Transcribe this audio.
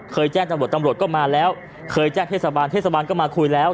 แจ้งตำรวจตำรวจก็มาแล้วเคยแจ้งเทศบาลเทศบาลก็มาคุยแล้ว